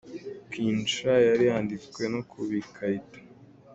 Queen Cha yari yanditswe no kubikarito.